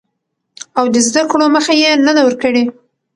او د زده کړو مخه يې نه ده ورکړې.